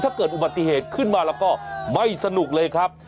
เกิดอุบัติเหตุขึ้นมาแล้วก็ไม่สนุกเลยครับ